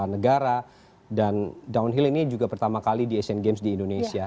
negara dan downhill ini juga pertama kali di asian games di indonesia